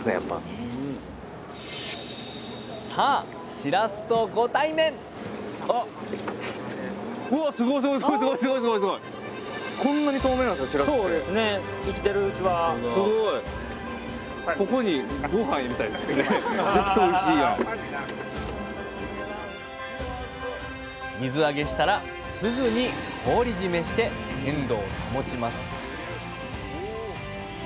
さあ水揚げしたらすぐに氷締めして鮮度を保ちます